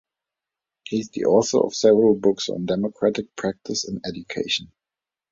He is the author of several books on democratic practice and education.